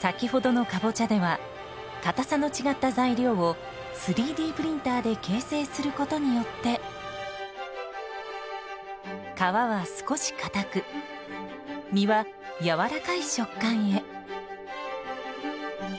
先ほどのカボチャではかたさの違った材料を３Ｄプリンターで形成することによって皮は少しかたく実はやわらかい食感へ。